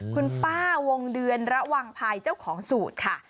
คุณป้าวงเดือนระวังภัยเจ้าของสูตรค่ะ